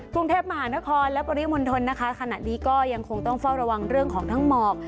กรุงเทพมหานครและปริมณฑลนะคะขณะนี้ก็ยังคงต้องเฝ้าระวังเรื่องของทั้งหมอก